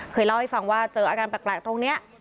เคยเล่าให้ฟังว่าเจออาการแปลกตรงนี้